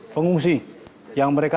pengungsi yang mereka